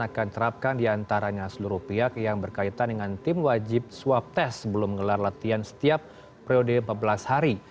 akan diterapkan diantaranya seluruh pihak yang berkaitan dengan tim wajib swab test sebelum menggelar latihan setiap periode empat belas hari